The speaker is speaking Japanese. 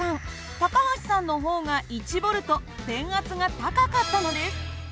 高橋さんの方が１Ｖ電圧が高かったのです。